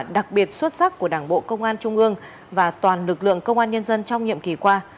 đặc biệt xuất sắc của đảng bộ công an trung ương và toàn lực lượng công an nhân dân trong nhiệm kỳ qua